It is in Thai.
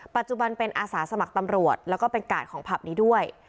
ปัจจุบันเป็นอาสาสมัครตำรวจแล้วก็เป็นกาดของผับนี้ด้วย